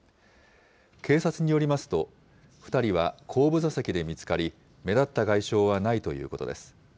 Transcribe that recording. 警察によりますと、２人は後部座席で見つかり、目立った外傷はないということです。